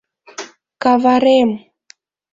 Каварем!